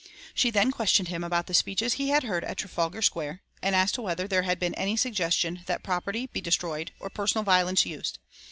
She then questioned him about the speeches he had heard at Trafalgar Square, and as to whether there had been any suggestion that property be destroyed or personal violence used.